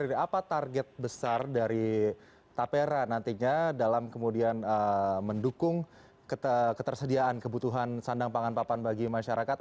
apa target besar dari tapera nantinya dalam kemudian mendukung ketersediaan kebutuhan sandang pangan papan bagi masyarakat